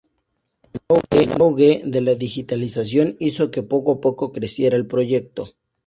El auge de la digitalización hizo que poco a poco creciera el proyecto.